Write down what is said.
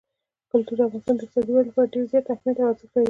کلتور د افغانستان د اقتصادي ودې لپاره ډېر زیات اهمیت او ارزښت لري.